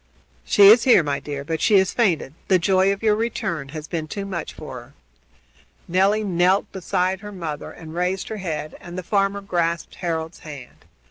"She is here, my dear, but she has fainted. The joy of your return has been too much for her." Nelly knelt beside her mother and raised her head, and the farmer grasped Harold's hand.